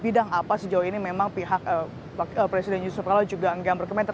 bidang apa sejauh ini memang pihak presiden yusuf kala juga enggak berkomentar